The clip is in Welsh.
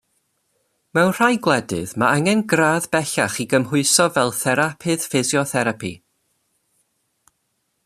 Mewn rhai gwledydd, mae angen gradd bellach i gymhwyso fel therapydd ffisiotherapi.